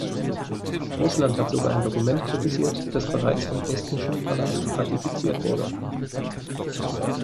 Russland hat sogar ein Dokument kritisiert, das bereits vom estnischen Parlament ratifiziert wurde.